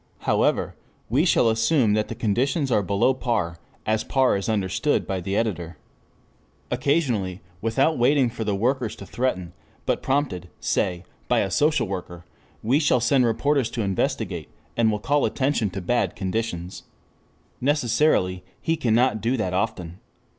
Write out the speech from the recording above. However, we shall assume that the conditions are below par, as par is understood by the editor. Occasionally without waiting for the workers to threaten, but prompted say by a social worker, he will send reporters to investigate, and will call attention to bad conditions. Necessarily he cannot do that often.